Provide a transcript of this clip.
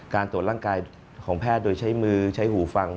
การตรวจร่างกายของแพทย์โดยใช้มือใช้หูฟัง